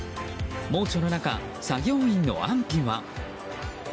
猛暑の中、作業員の安否は？